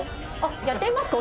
やってみますか？